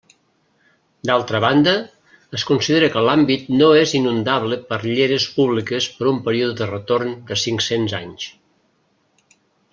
D'altra banda, es considera que l'àmbit no és inundable per lleres públiques per un període de retorn de cinc-cents anys.